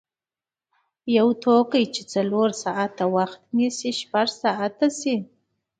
یو توکی چې څلور ساعته وخت نیسي شپږ ساعته شي.